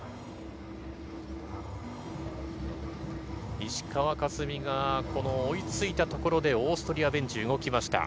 石川佳純がこの追いついたところで、オーストリアベンチ動きました。